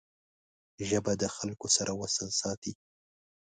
ژبه د خلګو سره وصل ساتي